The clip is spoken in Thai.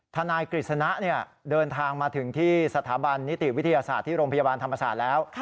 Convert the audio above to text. นายกฤษณะเดินทางมาถึงที่สถาบันนิติวิทยาศาสตร์ที่โรงพยาบาลธรรมศาสตร์แล้ว